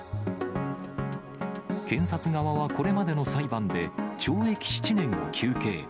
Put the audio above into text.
検察側はこれまでの裁判で、懲役７年を求刑。